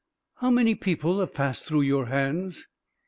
"How many people have passed through your hands?"